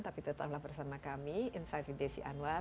tapi tetap bersama kami insight idc anwar